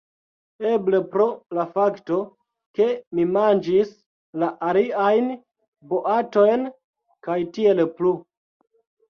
Eble pro la fakto, ke mi manĝis la aliajn boatojn kaj tiel plu.